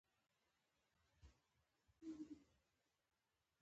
زما میرمن ښه پخلی کوي